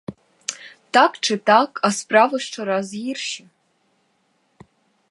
Так чи так, а справи щораз гірші.